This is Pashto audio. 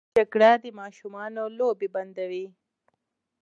جګړه د ماشومانو لوبې بندوي